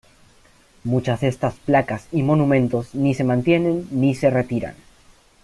Muchas de estas placas y monumentos ni se mantienen ni se retiran.